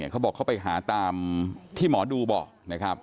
เขาบอกเขาไปหาตามที่หมอดูบอกนะครับ